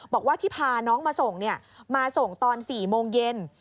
บอกว่าที่พาน้องมาส่งมาส่งตอน๔โมงเย็น